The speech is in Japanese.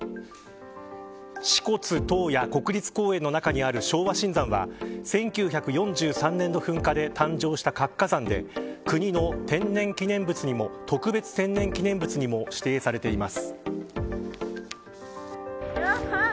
支笏洞爺国立公園の中にある昭和新山は１９４３年の噴火で誕生した活火山で国の天然記念物にも特別天然記念物にも指定されています。